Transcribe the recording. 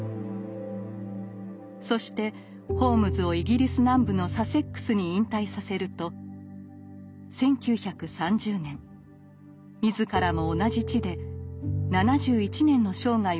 そしてホームズをイギリス南部のサセックスに引退させると１９３０年自らも同じ地で７１年の生涯を静かに閉じました。